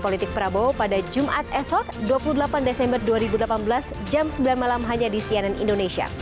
luar biasa itu